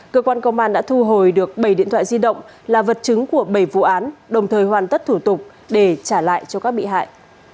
cơ quan công an đã thu hồi được bảy điện thoại di động là vật chứng của bảy vụ án đồng thời hoàn tất thủ tục để trả lại cho các bị hại